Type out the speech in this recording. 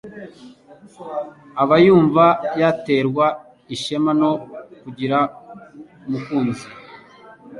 aba yumva yaterwa ishema no kugira umukunzi